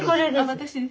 私です。